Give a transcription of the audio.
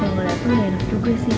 kalau gak dateng ya enak juga sih